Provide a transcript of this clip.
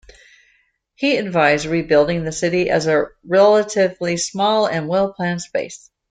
He advised rebuilding the city as a relatively small and well-planned space.